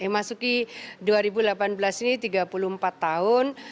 memasuki dua ribu delapan belas ini tiga puluh empat tahun